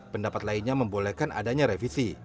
pendapat lainnya membolehkan adanya revisi